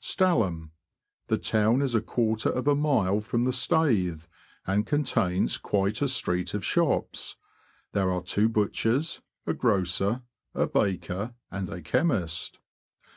Stalham. — The town is a quarter of a mile from the Staithe, and contains quite a street of shops. There are two butchers, a grocer, a baker, and a chemist.